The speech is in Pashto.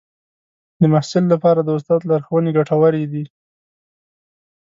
د محصل لپاره د استاد لارښوونې ګټورې دي.